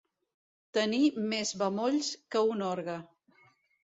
Tenir més bemolls que un orgue.